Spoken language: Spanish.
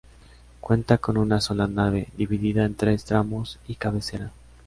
Cuenta con una sola nave, dividida en tres tramos y cabecera.